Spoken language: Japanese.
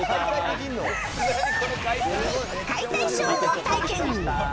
解体ショーを体験。